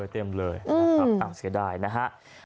เต็มเลยตักเสียดายนะฮะ